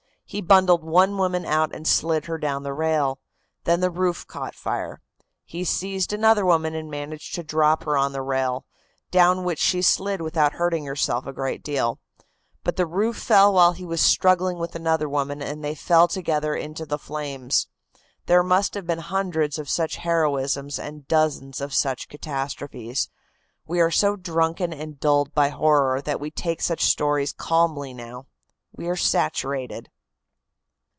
He bundled one woman out and slid her down the rail; then the roof caught fire. He seized another woman and managed to drop her on the rail, down which she slid without hurting herself a great deal. But the roof fell while he was struggling with another woman and they fell together into the flames. There must have been hundreds of such heroisms and dozens of such catastrophes. We are so drunken and dulled by horror that we take such stories calmly now. We are saturated."